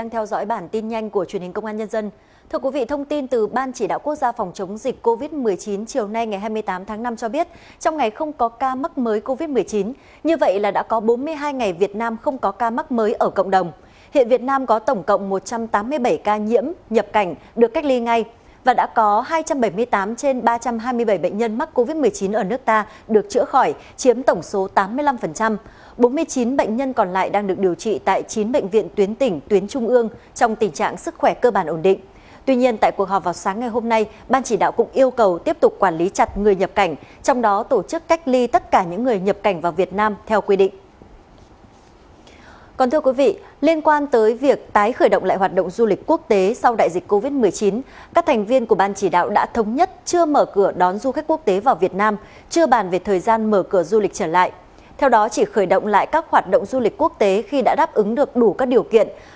hãy đăng ký kênh để ủng hộ kênh của chúng mình nhé